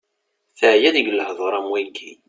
Teɛya deg lehdur am wigi.